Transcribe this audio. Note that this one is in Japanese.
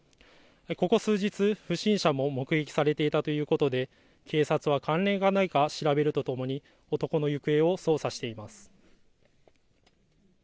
ここ数日、不審者も目撃されていたということで警察は関連がないか調べるとともに男の行方を捜査しています。